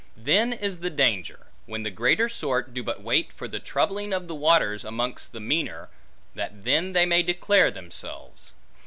Then is the danger, when the greater sort, do but wait for the troubling of the waters amongst the meaner, that then they may declare themselves.